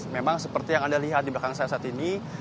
memang seperti yang anda lihat di belakang saya saat ini